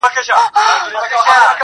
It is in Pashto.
خدايه ژر ځوانيمرگ کړې چي له غمه خلاص سو~